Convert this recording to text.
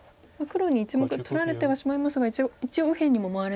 黒に１目取られてはしまいますが一応右辺にも回れたと。